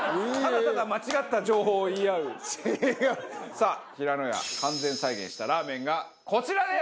さあひらのや完全再現したラーメンがこちらです！